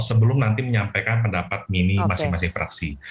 sebelum nanti menyampaikan pendapat mini masing masing fraksi